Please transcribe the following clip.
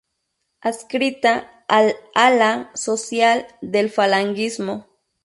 Adscrita al ala "social" del falangismo.